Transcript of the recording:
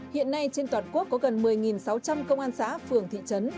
hiện nay trên toàn quốc có gần một mươi sáu trăm linh công an xã phường thị trấn